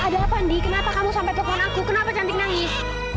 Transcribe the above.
adalah pandi kenapa kamu sampai telepon aku kenapa cantik nangis